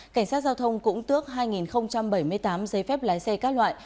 cảnh sát giao thông cũng tước hai bảy mươi tám giấy phép lái xe các loại